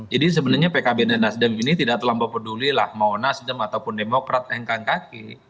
jadi sebenarnya pkb dan nasdem ini tidak terlambat pedulilah mau nasdem ataupun demokrat engkang kaki